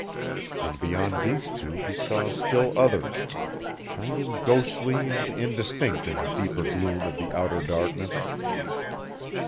And beyond these two he saw still others, shining ghostly and indistinct in the deeper gloom of the outer darkness.